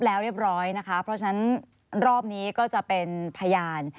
แล้วเรียบร้อยนะคะเพราะฉะนั้นรอบนี้ก็จะเป็นพยาน